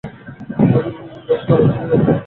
ব্যস গলায় ছুরি রাখে।